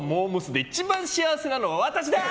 で一番幸せなのは私だー！